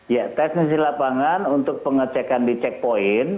ya teknis di lapangan untuk pengecekan di checkpoint